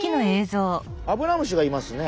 アブラムシがいますね。